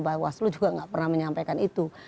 bahwa waslu juga gak pernah menyampaikan itu